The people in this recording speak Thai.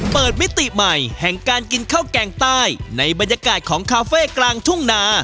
มิติใหม่แห่งการกินข้าวแกงใต้ในบรรยากาศของคาเฟ่กลางทุ่งนา